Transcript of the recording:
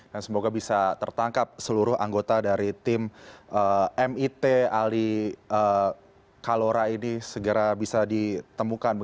dan semoga bisa tertangkap seluruh anggota dari tim mit ali kalora ini segera bisa ditemukan